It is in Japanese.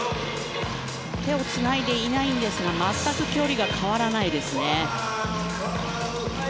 手をつないでいないんですが全く距離が変わらないですね。